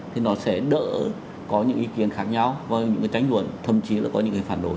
thì nó sẽ đỡ có những ý kiến khác nhau và những cái tranh luận thậm chí là có những cái phản đối